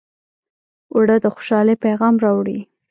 اوړه د خوشحالۍ پیغام راوړي